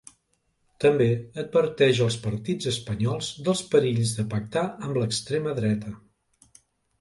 També adverteix els partits espanyols dels perills de pactar amb l’extrema dreta.